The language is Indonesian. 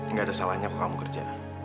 nggak ada salahnya kok kamu kerja